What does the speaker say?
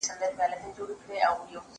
زه اوږده وخت کتابتون ته راځم وم!